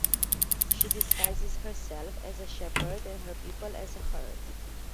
She disguises herself as a shepherd and her people as a herd.